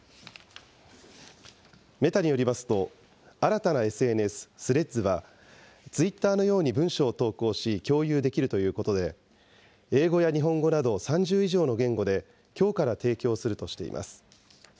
メタによりますと、新たなＳＮＳ、スレッズは、ツイッターのように文章を投稿し、共有できるということで、英語や日本語など３０以上の言語で、きょうから提供するとしています。